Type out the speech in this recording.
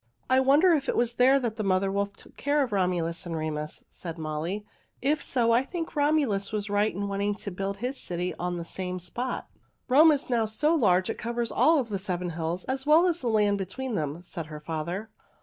"I wonder if it was there that the mother wolf took care of Romulus and Remus," said Molly. "If so, I think Romulus was right in wanting to build his city on the same spot." "Rome is now so large it covers all of the seven hills, as well as the land between them," said her father.